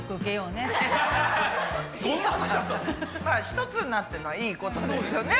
一つになってるのはいいことですよね。